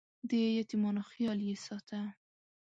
د یتیمانو خیال یې ساته.